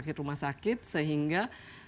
sakit rumah sakit sehingga